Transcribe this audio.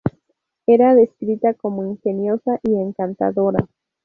Era descrita como ingeniosa y encantadora.